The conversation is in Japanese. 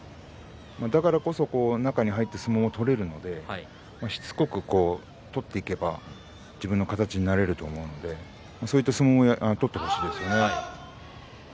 だからこそ中に入って相撲を取れるのでしつこく取っていけば自分の形になれると思うのでそういった相撲を取ってほしいですよね。